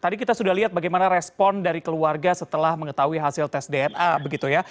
tadi kita sudah lihat bagaimana respon dari keluarga setelah mengetahui hasil tes dna begitu ya